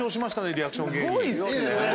リアクション芸人。